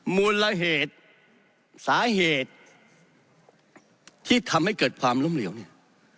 มูลละเหตุสาเหตุที่ทำให้เกิดความล้มเหลวเนี่ย